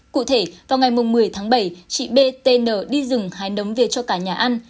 cụ thể vào ngày một mươi tháng bảy chị b t n đi rừng hái nấm về cho cả nhà ăn